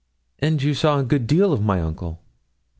'And you saw a good deal of my uncle?'